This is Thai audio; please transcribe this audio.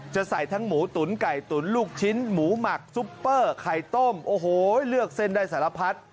จะใส่ทั้งหมูตุ๋นไก่ตุ๋นลูกชิ้นหมูหมักซุปเปอร์ไข่ต้มโอ้โหเลือกเส้นได้สารพัด